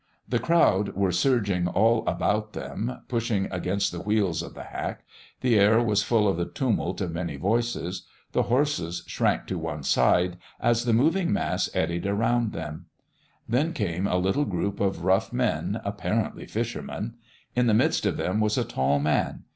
The crowd were surging all about them, pushing against the wheels of the hack. The air was full of the tumult of many voices. The horses shrank to one side as the moving mass eddied around them. Then there came a little group of rough men, apparently fishermen. In the midst of them was a tall man.